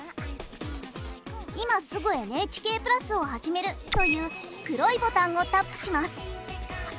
「今すぐＮＨＫプラスをはじめる」という黒いボタンをタップします。